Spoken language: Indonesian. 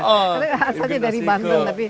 asalnya dari banten tapi